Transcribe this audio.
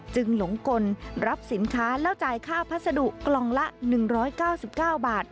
หลงกลรับสินค้าแล้วจ่ายค่าพัสดุกล่องละ๑๙๙บาท